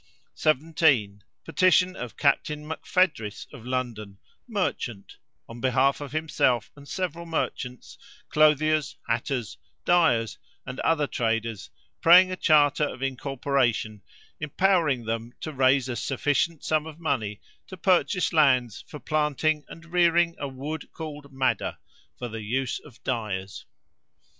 "17. Petition of Captain Macphedris of London, merchant, on behalf of himself and several merchants, clothiers, hatters, dyers, and other traders, praying a charter of incorporation empowering them to raise a sufficient sum of money to purchase lands for planting and rearing a wood called madder, for the use of dyers.